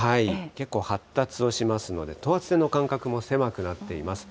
結構発達をしますので、等圧線の間隔も狭くなっています。